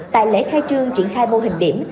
tại lễ khai trương triển khai mô hình điểm